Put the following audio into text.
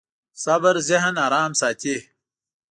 صبر ذهن ارام ساتي.